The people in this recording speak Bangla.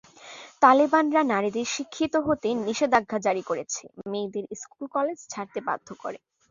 তালেবানরা নারীদের শিক্ষিত হতে নিষেধাজ্ঞা জারি করে, মেয়েদের স্কুল -কলেজ ছাড়তে বাধ্য করে।